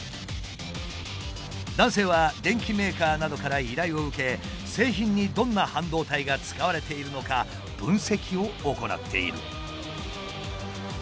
男性は電機メーカーなどから依頼を受け製品にどんな半導体が使われているのか分析を行っている。